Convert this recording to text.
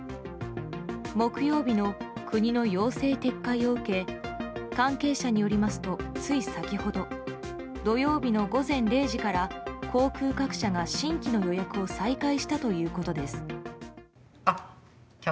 木曜日の国の要請撤回を受け関係者によりますとつい先ほど土曜日の午前０時から航空各社が新規の予約を再開したということです。